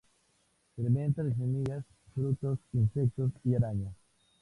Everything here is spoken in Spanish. Se alimenta de semillas, frutos, insectos y arañas.